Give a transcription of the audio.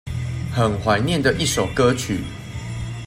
很懷念的一首歌曲